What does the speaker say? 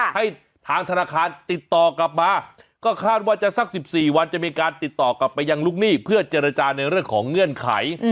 ให้ทางธนาคารติดต่อกลับมาก็คาดว่าจะสัก๑๔วันจะมีการติดต่อกลับไปยังลูกหนี้เพื่อเจรจาในเรื่องของเงื่อนไข